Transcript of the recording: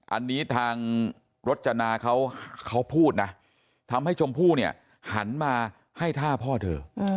อันนี้ทางรจนาเขาพูดนะทำให้ชมพู่เนี่ยหันมาให้ท่าพ่อเธอ